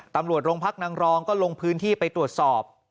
ตำรวจโรงพักนางรองก็ลงพื้นที่ไปตรวจสอบ